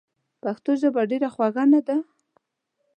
پښتو ژبه ډېره خوږه نده؟!